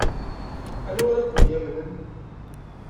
Anwa ara ken-yamnen?